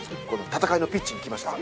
戦いのピッチに来ました。